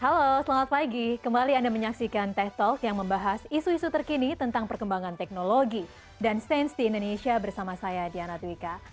halo selamat pagi kembali anda menyaksikan teh talk yang membahas isu isu terkini tentang perkembangan teknologi dan stance di indonesia bersama saya diana dwika